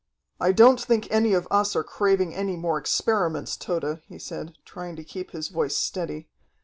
"I don't think any of us are craving any more experiments, Tode," he said, trying to keep his voice steady.